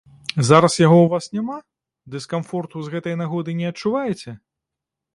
Зараз яго ў вас няма, дыскамфорту з гэтай нагоды не адчуваеце?